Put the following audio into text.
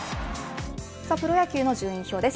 プロ野球の順位表です。